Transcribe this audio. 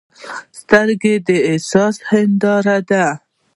سترګې د احساس هنداره ده